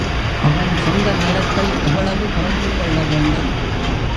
அவன் சொந்த நலத்தை எவ்வளவு குறைத்துக் கொள்ள வேண்டும்?